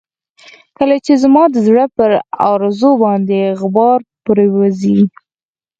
کله چې زما د زړه پر ارزو باندې غبار پرېوځي.